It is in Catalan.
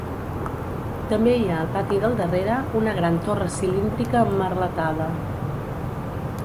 També hi ha al pati del darrere una gran torre cilíndrica emmerletada.